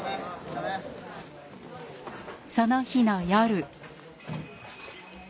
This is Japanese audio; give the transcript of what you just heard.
その日の夜。